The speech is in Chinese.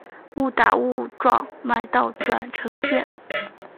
误打误撞买到转乘券